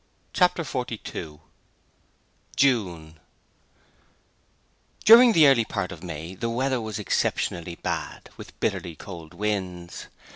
Chapter 42 June During the early part of May the weather was exceptionally bad, with bitterly cold winds.